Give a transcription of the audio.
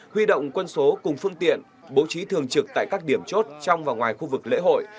huy động quân số cùng phương tiện bố trí thường trực tại các điểm chốt trong và ngoài khu vực lễ hội